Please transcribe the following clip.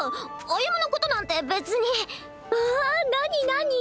歩のことなんて別にあ何なに？